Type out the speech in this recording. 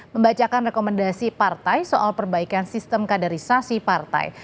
membacakan rekomendasi partai soal perbaikan sistem kaderisasi partai